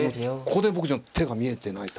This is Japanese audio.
ここで僕手が見えてない。